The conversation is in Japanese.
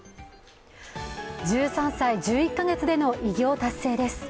１３歳１１か月での偉業達成です。